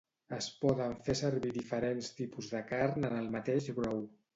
Es poden fer servir diferents tipus de carn en el mateix brou.